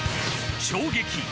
衝撃！